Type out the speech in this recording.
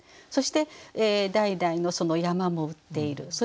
そして代々の山も売っている。